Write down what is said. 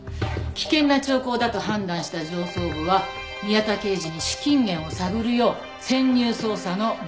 危険な兆候だと判断した上層部は宮田刑事に資金源を探るよう潜入捜査の命を下したらしい。